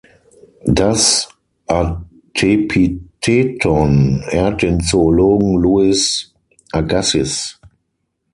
Das Artepitheton ehrt den Zoologen Louis Agassiz.